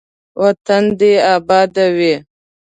وطن دې اباد وي.